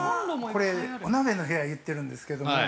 ◆これ、お鍋の部屋といってるんですけども。